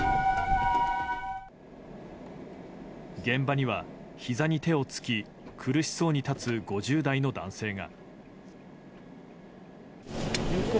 現場にはひざに手をつき苦しそうに立つ５０代の男性が。